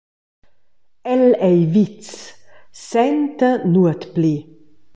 El ei vits, senta nuot pli.